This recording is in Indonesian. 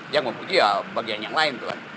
yang memuji ya bagian yang lain tuhan